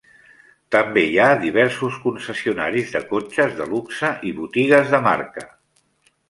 També hi ha diversos concessionaris de cotxes de luxe i botigues de marca.